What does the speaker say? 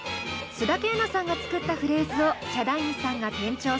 須田景凪さんが作ったフレーズをヒャダインさんが転調させ１曲に。